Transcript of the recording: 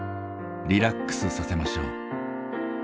リラックスさせましょう。